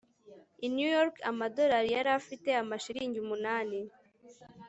i new york, amadorari yari afite amashiringi umunani